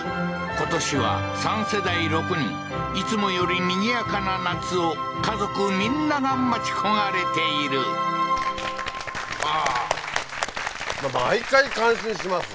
今年は３世代６人いつもよりにぎやかな夏を家族みんなが待ち焦がれているああー毎回感心します